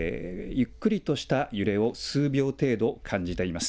ゆっくりとした揺れを数秒程度感じています。